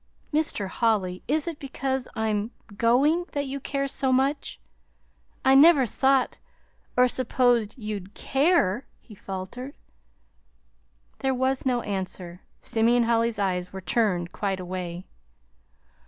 "Mr. Holly, is it because I'm going that you care so much? I never thought or supposed you'd CARE," he faltered. There was no answer. Simeon Holly's eyes were turned quite away.